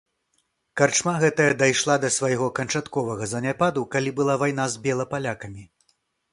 Карчма гэтая дайшла да свайго канчатковага заняпаду, калі была вайна з белапалякамі.